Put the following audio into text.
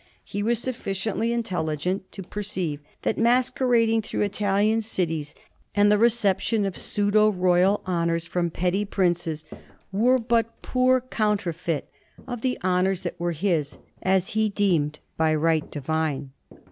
He was sufficiently intelligent to perceive that masquer ading through Italian cities and the reception of pseudo royal honors from petty princes were but a poor counter feit of the honors that were his, as he deemed, by right divine.